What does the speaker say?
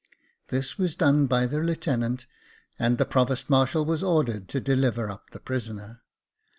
This was done by the lieutenant, and the provost marshal was ordered to deliver up the prisoner.